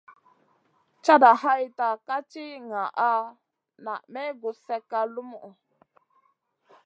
Cata hayta ka ti ŋaʼa naa may gus slèkka lumuʼu.